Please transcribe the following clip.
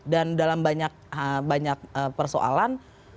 dan dalam banyak persoalan